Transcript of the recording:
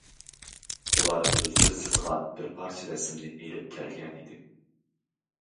ئۇلار ئۆزلىرى سىزغان بىر پارچە رەسىمنى ئېلىپ كەلگەنىدى.